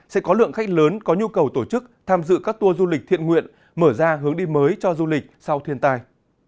sẽ có lượng khách lớn có nhu cầu tổ chức tham dự các tour du lịch thiện nguyện mở ra hướng đi mới cho du lịch sau thiên tai